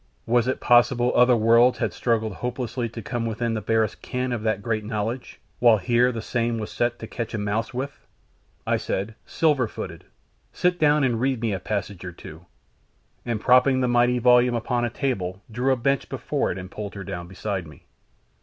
"Was it possible other worlds had struggled hopelessly to come within the barest ken of that great knowledge, while here the same was set to catch a mouse with?" I said, "Silver footed, sit down and read me a passage or two," and propping the mighty volume upon a table drew a bench before it and pulled her down beside me.